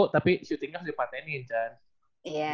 tapi syutingnya harus dipatenin kan